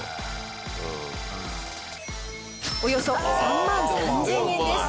およそ３万３０００円です。